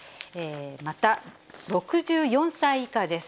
また、６４歳以下です。